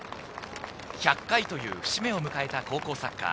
１００回という節目を迎えた高校サッカー。